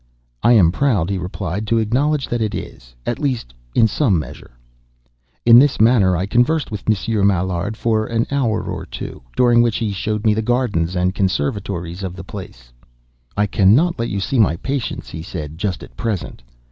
"I am proud," he replied, "to acknowledge that it is—at least in some measure." In this manner I conversed with Monsieur Maillard for an hour or two, during which he showed me the gardens and conservatories of the place. "I cannot let you see my patients," he said, "just at present.